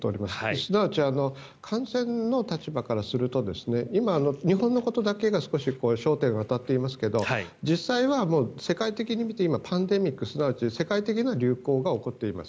すなわち、感染の立場からすると今、日本のことだけが焦点が当たっていますけど実際は世界的に見てパンデミックすなわち世界的な流行が起こっています。